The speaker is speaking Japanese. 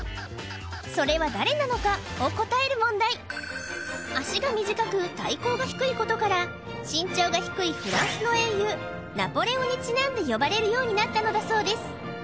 それは誰なのかを答える問題ことから身長が低いフランスの英雄ナポレオンにちなんで呼ばれるようになったのだそうです